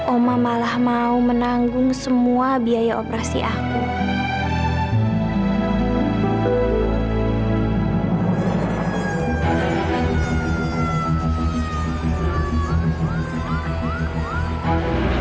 oma malah mau menanggung semua biaya operasi aku